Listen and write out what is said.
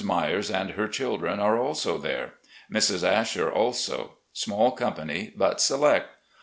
Myers and her children are also there. Mrs. Asher also. Small company, but select.